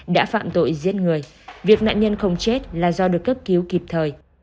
đã phạm tội giết người việc nạn nhân không chết là do được cấp cứu kịp thời